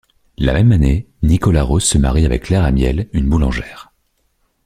La même année, Nicolas Roze se marie avec Claire Amiel, une boulangère.